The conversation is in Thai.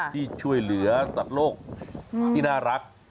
ที่ช่วยเหลือสัตว์โลกที่น่ารัก